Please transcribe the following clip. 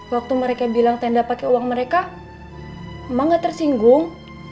waktu mereka bilang teh nggak pakai uang mereka emak nggak tersinggung